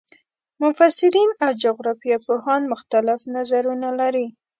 مفسرین او جغرافیه پوهان مختلف نظرونه لري.